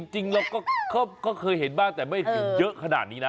จริงเราก็เคยเห็นบ้างแต่ไม่ถึงเยอะขนาดนี้นะ